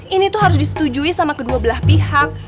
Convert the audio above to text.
ini tuh harus disetujui sama kedua belah pihak